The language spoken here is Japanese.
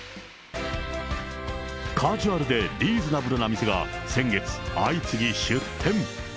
カジュアルでリーズナブルな店が、先月、相次ぎ出店。